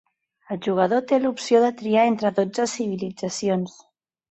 El jugador té l'opció de triar entre dotze civilitzacions.